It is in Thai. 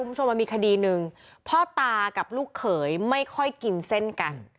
มันมีคดีหนึ่งพ่อตากับลูกเขยไม่ค่อยกินเส้นกัน